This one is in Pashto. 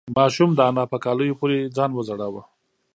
ماشوم د انا په کالیو پورې ځان وځړاوه.